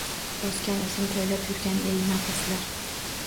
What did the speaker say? Bosgan izim poylab yurgan ey, nokaslar